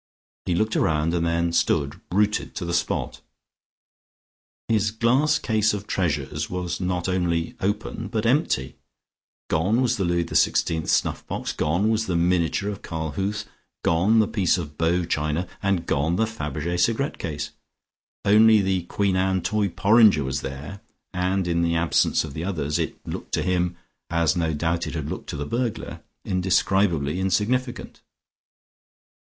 He looked round, and then stood rooted to the spot. His glass case of treasures was not only open but empty. Gone was the Louis XVI snuff box, gone was the miniature of Karl Huth, gone the piece of Bow China, and gone the Faberge cigarette case. Only the Queen Anne toy porringer was there, and in the absence of the others, it looked to him, as no doubt it had looked to the burglar, indescribably insignificant.